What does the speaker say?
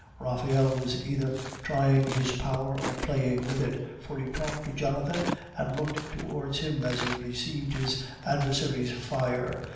Raphael was either trying his power or playing with it, for he talked to Jonathan, and looked towards him as he received his adversary's fire.